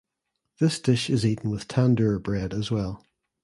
This dish is eaten with Tandoor bread as well.